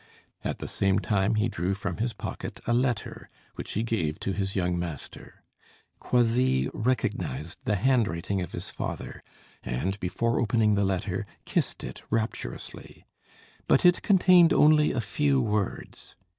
At the same time he drew from his pocket a letter, which he gave to his young master. Croisilles recognized the handwriting of his father, and, before opening the letter, kissed it rapturously; but it contained only a few words.